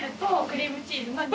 クリームチーズです。